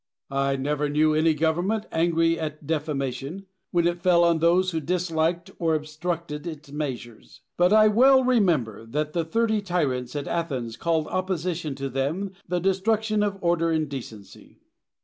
Diogenes. I never knew any government angry at defamation, when it fell on those who disliked or obstructed its measures. But I well remember that the thirty tyrants at Athens called opposition to them the destruction of order and decency.